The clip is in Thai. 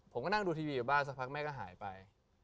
ผมก็นั่งดูทีวีอยู่บ้านสักพักแม่ก็หายไป